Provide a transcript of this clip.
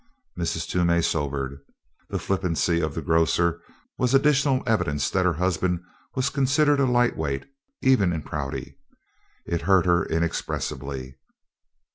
Mrs. Toomey sobered. The flippancy of the grocer was additional evidence that her husband was considered a light weight, even in Prouty. It hurt her inexpressibly.